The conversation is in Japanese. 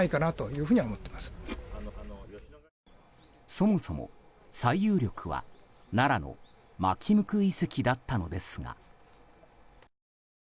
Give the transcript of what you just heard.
そもそも、最有力は奈良の纏向遺跡だったのですが。